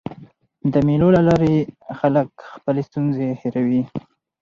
د مېلو له لاري خلک خپلي ستونزي هېروي.